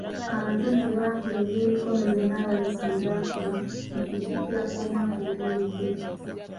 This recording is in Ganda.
Abazadde baagula eby'emikono byonna abayizi bye bakola mu kutikkirwa kw'omwaka oguwedde .